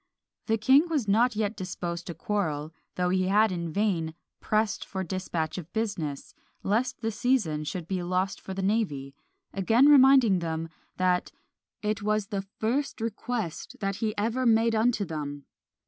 The king was not yet disposed to quarrel, though he had in vain pressed for dispatch of business, lest the season should be lost for the navy; again reminding them, that "it was the first request that he ever made unto them!"